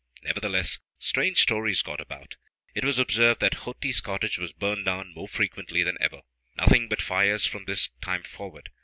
Nevertheless, strange stories got about. It was observed that Ho ti's cottage was burned down now more frequently than ever. Nothing but fires from this time forward.